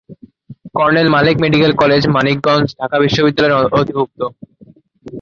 Colonel Malek Medical College, Manikganj Dhaka বিশ্ববিদ্যালয়ের অধিভুক্ত।